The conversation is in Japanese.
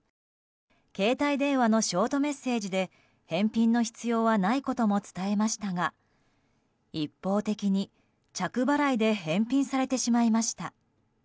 携帯電話のショートメッセージで返品の必要はないことも伝えましたが一方的に着払いで返品されてしまいました。